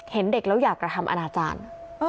เห็นเด็กแล้วอยากกระทำอนาจารย์